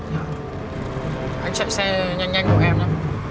anh chạy xe nhanh nhanh của em nhé